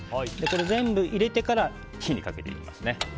全部入れてから火にかけていきます。